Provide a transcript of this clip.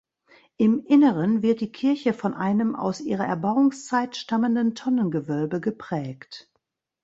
Im Inneren wird die Kirche von einem aus ihrer Erbauungszeit stammenden Tonnengewölbe geprägt.